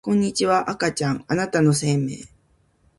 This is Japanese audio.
こんにちは赤ちゃんあなたの生命